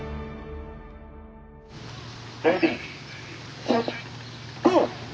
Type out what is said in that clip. レディーセットゴー！